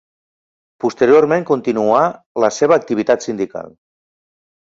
Posteriorment continuà la seva activitat sindical.